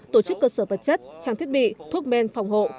tổ chức cơ sở vật chất trang thiết bị thuốc men phòng hộ